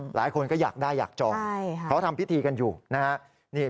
หลายคนก็อยากได้อยากจองเขาทำพิธีกันอยู่นะครับ